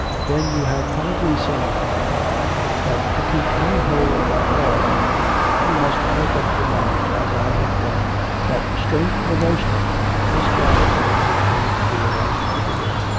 "Then you have probably seen," he replied, "that to keep any hold at all on her, you must make up your mind as I have done that, strength or no strength, this job of hers is going to be a life career.